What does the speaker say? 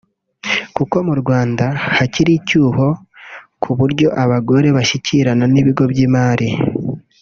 kuko mu Rwanda hakiri icyuho ku buryo abagore bashyikirana n’ibigo by’Imari